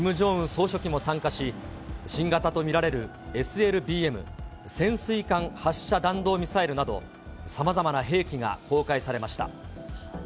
総書記も参加し、新型と見られるＳＬＢＭ・潜水艦発射弾道ミサイルなど、さまざまな兵器が公開されました。